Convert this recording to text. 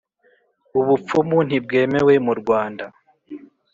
Ubupfumu ntibwemewe murwanda.